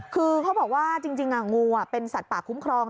คือเขาบอกว่าจริงงูเป็นสัตว์ป่าคุ้มครอง